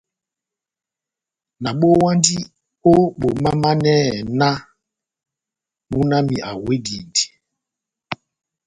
Nabowandi o bomamanɛhɛ nah muna wami awedindi.